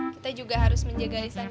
kita juga harus menjaga alisan kita